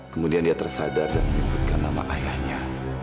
kemudian dia tersadar dan menyebutkan nama ayahnya